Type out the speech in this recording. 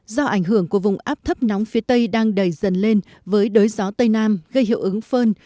do ảnh hưởng của vùng áp thấp nóng phía tây đang đầy dần lên với đới gió tây nam gây hiệu ứng phơn